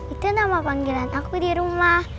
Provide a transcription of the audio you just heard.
itu nama panggilan aku di rumah